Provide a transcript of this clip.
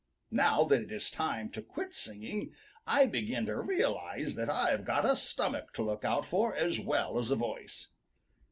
Now that it is time to quit singing, I begin to realize that I've got a stomach to look out for as well as a voice.